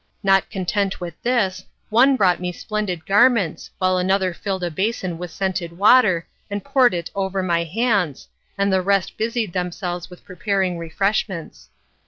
Not content with this, one brought me splendid garments, while another filled a basin with scented water and poured it over my hands, and the rest busied themselves with preparing refreshments.